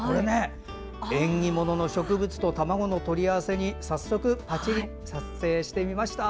縁起物の植物と卵の取り合わせに早速、撮影してみました。